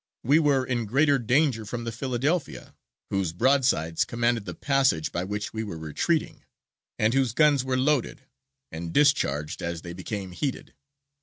We were in greater danger from the Philadelphia, whose broadsides commanded the passage by which we were retreating, and whose guns were loaded, and discharged as they became heated.